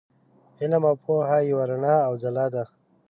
علم او پوهه یوه رڼا او ځلا ده.